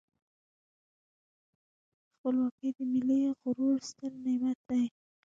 خپلواکي د ملي غرور ستر نعمت دی.